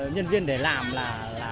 nhân viên để làm là